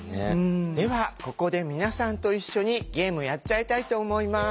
ではここで皆さんと一緒にゲームをやっちゃいたいと思います。